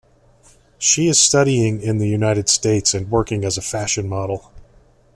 She is studying in the United States and working as a fashion model.